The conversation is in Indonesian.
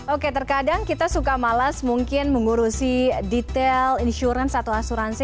oke terkadang kita suka malas mungkin mengurusi detail insurance atau asuransi